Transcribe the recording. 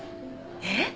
えっ？